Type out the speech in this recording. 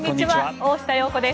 大下容子です。